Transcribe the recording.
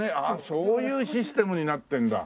そういうシステムになってんだ。